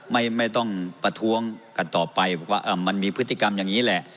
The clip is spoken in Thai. ไม่ต้องประท้วงกันต่อไปว่ามันมีพฤติกรรมอย่างนี้แหละ